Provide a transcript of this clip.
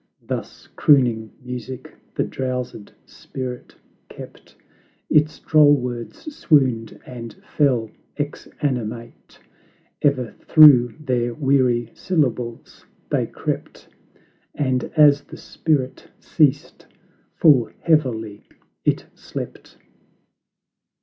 Thus crooning music the drowsed spirit kept; Its droll words swooned and fell exanimate, E'er through their weary syllables they crept; And as the spirit ceased, full heavily it slept!